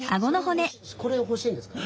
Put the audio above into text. これがほしいんですか？